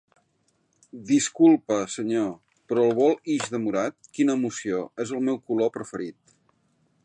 -Disculpe senyor, però el vol ix demorat. -Quina emoció, és el meu color preferit!